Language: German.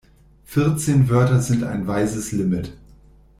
Vierzehn Wörter sind ein weises Limit.